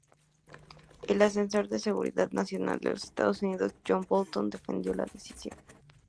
El asesor de seguridad nacional de los Estados Unidos John Bolton defendió la decisión.